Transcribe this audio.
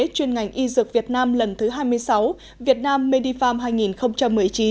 chuyên ngành y dược việt nam lần thứ hai mươi sáu việt nam medifarm hai nghìn một mươi chín